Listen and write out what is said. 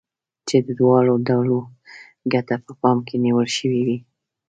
چې د دواړو ډلو ګټه په پام کې نيول شوې وي.